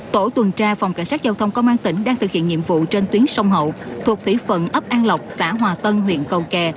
tổ tuần tra phòng cảnh sát giao thông công an tỉnh đang thực hiện nhiệm vụ trên tuyến sông hậu thuộc thủy phận ấp an lộc xã hòa tân huyện cầu kè